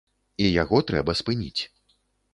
І яго трэба спыніць.